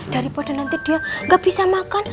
daripada nanti dia nggak bisa makan